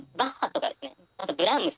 やだブラームス。